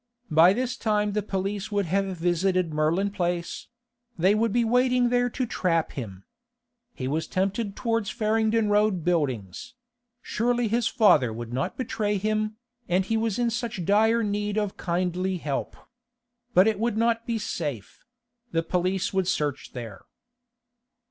By this time the police would have visited Merlin Place; they would be waiting there to trap him. He was tempted towards Farringdon Road Buildings; surely his father would not betray him, and he was in such dire need of kindly help. But it would not be safe; the police would search there.